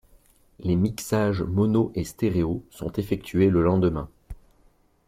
Les mixages mono et stéréo sont effectués le lendemain.